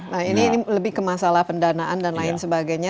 nah ini lebih ke masalah pendanaan dan lain sebagainya